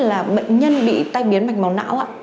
là bệnh nhân bị tai biến mạch máu não ạ